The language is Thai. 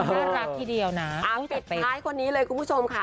น่ารักทีเดียวนะปิดท้ายคนนี้เลยคุณผู้ชมค่ะ